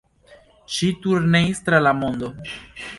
Ŝi turneis tra la mondo.